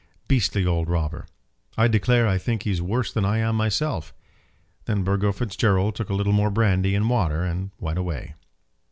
Beastly old robber! I declare I think he's worse than I am myself." Then Burgo Fitzgerald took a little more brandy and water and went away.